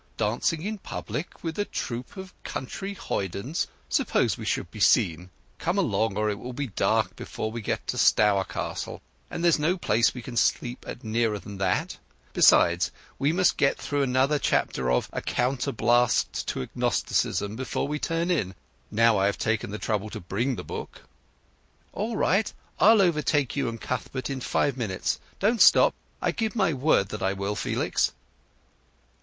"Dancing in public with a troop of country hoydens—suppose we should be seen! Come along, or it will be dark before we get to Stourcastle, and there's no place we can sleep at nearer than that; besides, we must get through another chapter of A Counterblast to Agnosticism before we turn in, now I have taken the trouble to bring the book." "All right—I'll overtake you and Cuthbert in five minutes; don't stop; I give my word that I will, Felix."